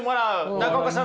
中岡さん